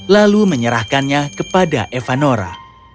lalu menyerahkannya kepada evanora